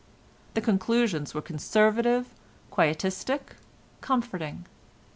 The conclusions were conservative, quietistic, comforting.